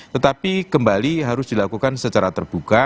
tetapi kembali harus dilakukan secara terbuka